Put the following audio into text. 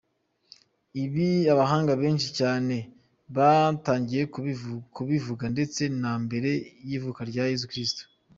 Ibi abahanga benshi cyane batangiye kubivuga ndetse na mbere y’ivuka rya Yezu Kristu.